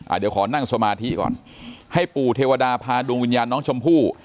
เดี๋ยวขอนั่งสมาธิก่อนให้ปู่เทวดาพาดวงวิญญาณน้องชมพู่